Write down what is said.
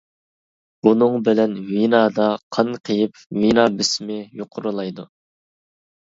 بۇنىڭ بىلەن ۋېنادا قان قىيىپ ۋېنا بېسىمى يۇقىرىلايدۇ.